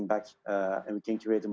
dan kita bisa membuat pergerakan